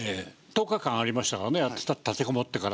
１０日間ありましたからね立てこもってから。